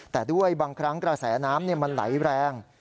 แต่ด้วยบางครั้งกระแสน้ำมันไหลแรง